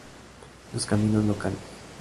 Los caminos locales.